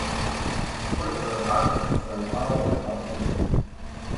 Kur es varu atrast savu algas lapiņu?